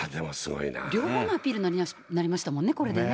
両方のアピールになりましたもんね、これでね。